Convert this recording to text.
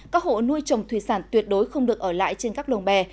các hộ nuôi trồng thủy sản tuyệt đối không được ở lại trên các lồng bè